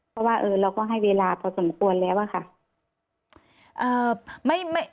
เพราะว่าเราก็ให้เวลาพอสมควรแล้วอะค่ะ